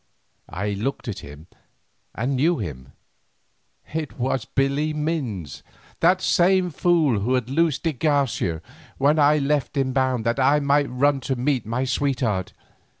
I looked at him and knew him; it was Billy Minns, that same fool who had loosed de Garcia when I left him bound that I might run to meet my sweetheart.